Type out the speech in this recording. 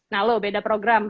nah loh beda program